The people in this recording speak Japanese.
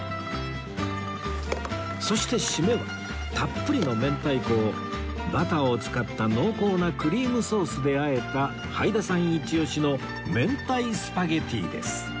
そして締めはたっぷりの明太子をバターを使った濃厚なクリームソースであえたはいださんイチオシのめんたいスパゲティです